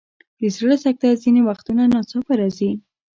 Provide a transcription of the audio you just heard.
د زړه سکته ځینې وختونه ناڅاپه راځي.